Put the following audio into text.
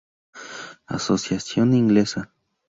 Asociación inglesa.